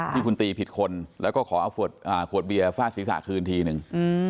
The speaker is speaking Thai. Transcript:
ที่คุณตีผิดคนแล้วก็ขอเอาขวดเบียร์ฟาดศีรษะคืนทีนึง